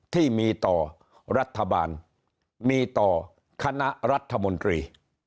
ที่มีต่อรัฐบาลมีต่อคณะรัฐมนตรี